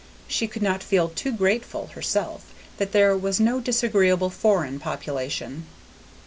She could not feel too grateful, herself, that there was no disagreeable foreign population.